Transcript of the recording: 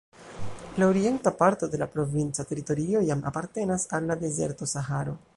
La orienta parto de la provinca teritorio jam apartenas al la dezerto Saharo.